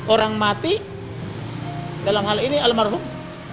orang mati dalam hal ini almarhum